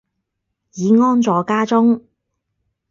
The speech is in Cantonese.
已安坐家中